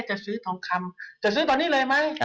จะซื้อทองคำจะซื้อตอนนี้เลยไหม